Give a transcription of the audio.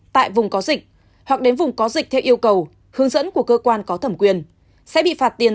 tại vùng có dịch hoặc đến vùng có dịch theo yêu cầu hướng dẫn của cơ quan có thẩm quyền sẽ bị phạt tiền